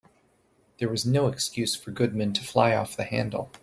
There was no excuse for Goodman to fly off the handle.